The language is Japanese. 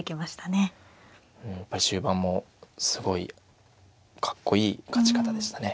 やっぱり終盤もすごいかっこいい勝ち方でしたね。